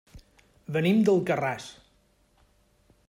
Venim d'Alcarràs.